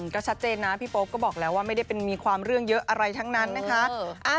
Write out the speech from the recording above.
ก็ชัดเจนนะพี่โป๊ปก็บอกแล้วว่าไม่ได้เป็นมีความเรื่องเยอะอะไรทั้งนั้นนะคะ